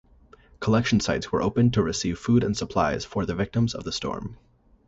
Collection sites were opened to receive food and supplies for victims of the storm.